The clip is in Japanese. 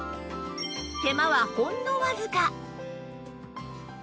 手間はほんのわずか